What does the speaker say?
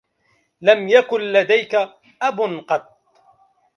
لم يكن لديك أب قطّ.